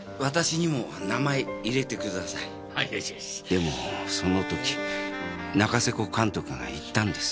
でもそのとき仲瀬古監督が言ったんです。